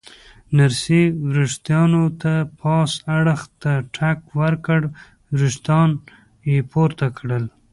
نرسې ورېښتانو ته پاس اړخ ته ټک ورکړ، ورېښتان یې پورته کړل.